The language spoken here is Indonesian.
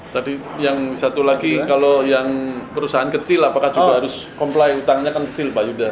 tadi yang satu lagi kalau yang perusahaan kecil apakah juga harus comply utangnya kan kecil pak yudha